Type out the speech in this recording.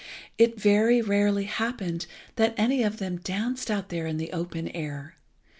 It very rarely happened that any of them danced out there in the open air.